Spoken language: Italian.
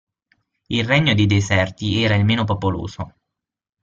Il Regno dei deserti era il meno popoloso.